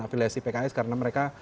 afiliasi pki karena mereka